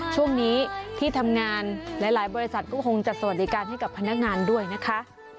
ช่วงนี้ที่ทำงานหลายบริษัทก็คงจัดสวัสดิการให้กับพนักงานด้วยนะคะ